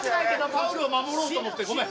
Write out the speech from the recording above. タオルを守ろうと思って。